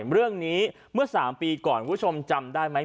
เรื่องนี้เมื่อ๓ปีก่อนคุณผู้ชมจำได้ไหม